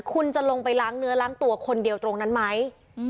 คุณจะลงไปล้างเนื้อล้างตัวคนเดียวตรงนั้นไหม